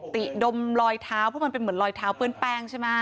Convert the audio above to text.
ติดมรอยเท้าเพราะมันเป็นเหมือนรอยเท้าเปื้อนแป้งใช่ไหม